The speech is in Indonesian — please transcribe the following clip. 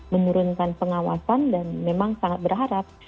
menurunkan pengawasan dan memang sangat berharap